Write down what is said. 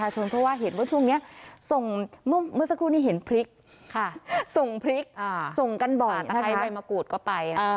ส่งพริกส่งกันบ่อยถ้าใครใบมะกรูดก็ไป